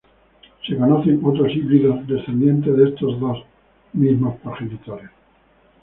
Se conocen otros híbridos descendientes de estos dos mismos progenitores.